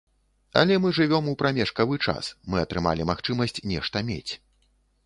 Але мы жывём у прамежкавы час, мы атрымалі магчымасць нешта мець.